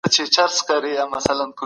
کمپيوټر د زده کړي نوې لاره ده.